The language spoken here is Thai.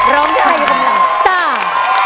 ร้องใจกำลังสร้าง